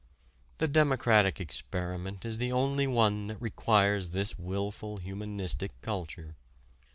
The democratic experiment is the only one that requires this wilful humanistic culture.